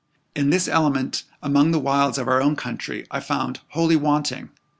And this element among the wilds of our own country I found wholly wanting.